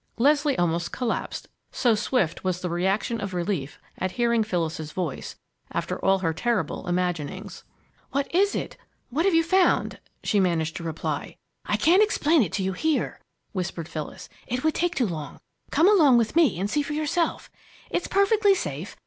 Leslie almost collapsed, so swift was the reaction of relief at hearing Phyllis's voice, after all her terrible imaginings. "What is it? What have you found?" she managed to reply. "I can't explain to you here," whispered Phyllis. "It would take too long. Come along with me and see for yourself. It's perfectly safe.